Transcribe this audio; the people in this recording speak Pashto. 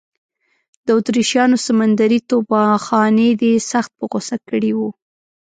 د اتریشیانو سمندري توپخانې دی سخت په غوسه کړی و.